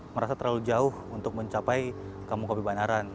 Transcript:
merasa terlalu jauh untuk mencapai kamu kopi banaran